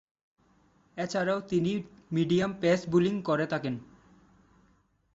এছাড়াও তিনি medium pace bowling করে থাকেন।